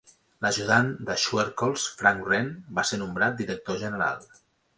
L'ajudant de Schuerholz, Frank Wren, va ser nombrat director general.